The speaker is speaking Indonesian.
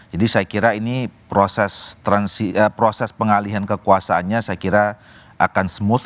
jadi saya kira ini proses pengalihan kekuasaannya saya kira akan smooth